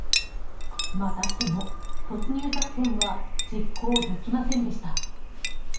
またしても、突入作戦は実行できませんでした。